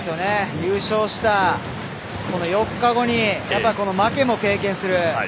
優勝した４日後に負けも経験する。